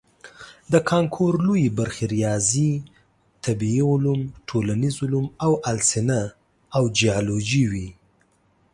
د کانکور لویې برخې ریاضي، طبیعي علوم، ټولنیز علوم او السنه او جیولوجي وي.